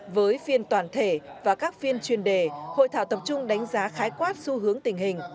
với phiên toàn thể và các phiên chuyên đề hội thảo tập trung đánh giá khái quát xu hướng tình hình